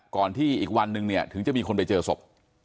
ก่อนที่อีกวันนึงเนี่ยถึงจะมีคนไปเจอศพ